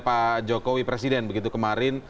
pak jokowi presiden begitu kemarin